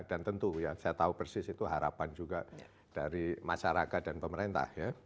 dan tentu ya saya tahu persis itu harapan juga dari masyarakat dan pemerintah ya